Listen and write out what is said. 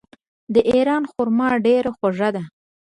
د ایران خرما ډیره خوږه ده.